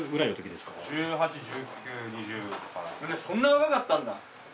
そんな若かったんだ。